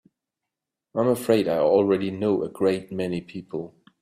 I'm afraid I already know a great many people.